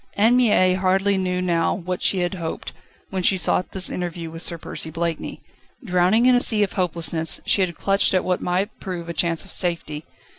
Anne Mie hardly knew now what she had hoped, when she sought this interview with Sir Percy Blakeney. Drowning in a sea of hopelessness, she had clutched at what might prove a chance of safety.